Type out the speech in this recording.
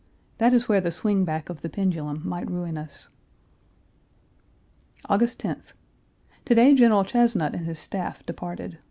That is where the swing back of the pendulum might ruin us. August 10th. To day General Chesnut and his staff departed.